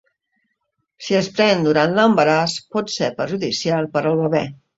Si es pren durant l'embaràs, pot ser perjudicial per al bebè.